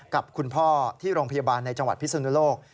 กับคุณพ่อที่โรงพยาบาลในจังหวัดพิศนุโลก